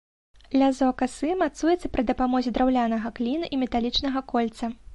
Лязо касы мацуецца пры дапамозе драўлянага кліну і металічнага кольца.